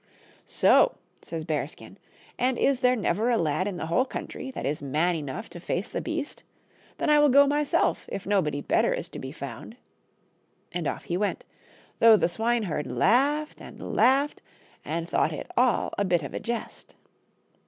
" So !" says Bearskin, " and is there never a lad in the whole country that is man enough to face the beast ? Then I will go myself if nobody better is to be found." And off he went, though the swineherd laughed and laughed, and thought it all a bit of a jest.